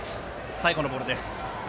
最後のボールです。